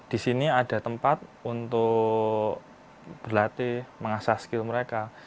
di sini ada tempat untuk berlatih mengasah skill mereka